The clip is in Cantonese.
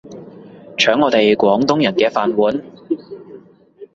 搶我哋廣東人嘅飯碗